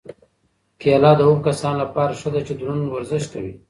کیله د هغو کسانو لپاره ښه ده چې دروند ورزش کوي.